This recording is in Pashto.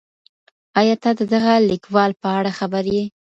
ایا ته د دغه لیکوال په اړه خبر یې؟